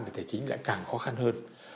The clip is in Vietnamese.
với tài chính lại càng khó khăn hơn